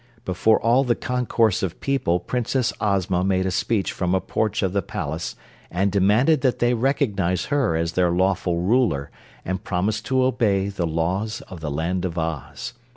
Before all the concourse of people Princess Ozma made a speech from a porch of the palace and demanded that they recognize her as their lawful Ruler and promise to obey the laws of the Land of Oz.